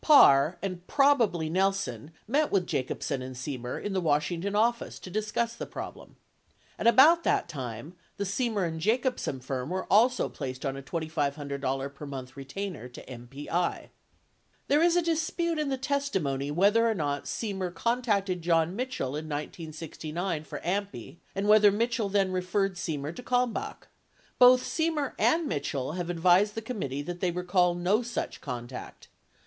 588 On or about March 21, 1969, Parr and probably Nelson met with Jacobsen and Seiner in the Washington office to discuss the problem. At about that time, the Semer and Jacobsen firm was also placed on a $2,500 per month retainer to MPI. There is a dispute in the testimony whether or not Semer contacted John Mitchell in 1969 for AMPI and whether Mitchell then referred Semer to Kalmbach. Both Semer 30 and Mitchell 31 have advised the committee that they recall no such contact.